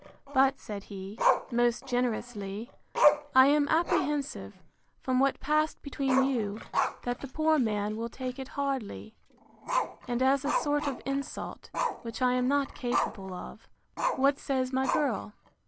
But, said he, most generously, I am apprehensive, from what passed between you, that the poor man will take it hardly, and as a sort of insult, which I am not capable of. What says my girl?